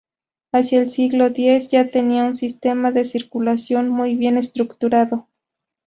Hacia el siglo X ya tenían un sistema de circulación muy bien estructurado.